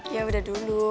ya udah dulu